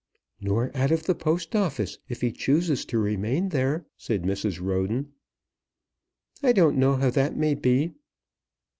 "Nor out of the Post Office, if he chooses to remain there," said Mrs. Roden. "I don't know how that may be."